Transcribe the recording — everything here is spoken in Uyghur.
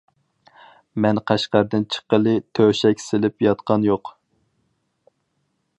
مەن قەشقەردىن چىققىلى، تۆشەك سېلىپ ياتقان يوق.